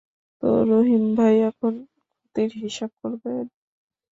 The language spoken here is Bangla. তো রহিম ভাই এখন ক্ষতির হিসাব করবেন?